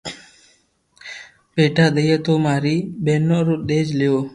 پيئا دآئئي تو ماري ٻينو رو ڌيج ليو